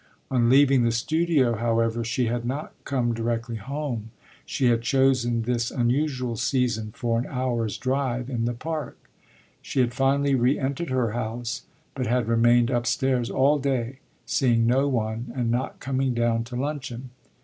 On leaving the studio, however, she had not come directly home; she had chosen this unusual season for an hour's drive in the Park. She had finally re entered her house, but had remained upstairs all day, seeing no one and not coming down to luncheon.